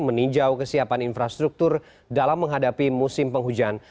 meninjau kesiapan infrastruktur dalam menghadapi musim penghujan